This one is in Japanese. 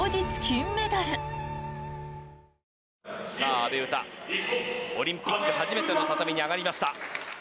阿部詩オリンピック初めての畳に上がりました。